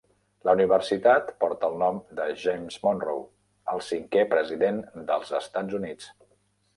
La universitat porta el nom de James Monroe, el cinquè president dels Estats Units.